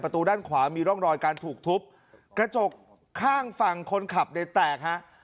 ด้านขวามีร่องรอยการถูกทุบกระจกข้างฝั่งคนขับเนี่ยแตกฮะ